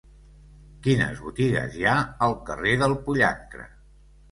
Quines botigues hi ha al carrer del Pollancre?